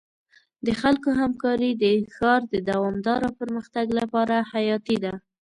د خلکو همکاري د ښار د دوامدار پرمختګ لپاره حیاتي ده.